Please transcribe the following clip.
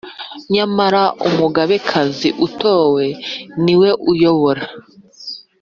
Nyamara Umugabekazi utowe niwe uyobora